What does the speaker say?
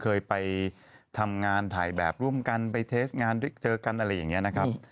เคยไปทำงานถ่ายแบบร่วมกันไปเทสงานเจอกันอะไรอย่างนี้นะครับ